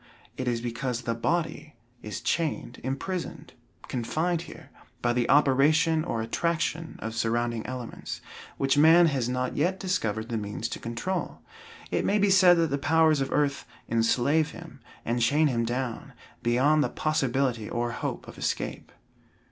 It is because the body is chained, imprisoned, confined here, by the operation or attraction of surrounding elements, which man has not yet discovered the means to control. It may be said that the powers of earth enslave him, and chain him down, beyond the possibility or hope of escape.